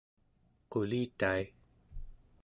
qulitai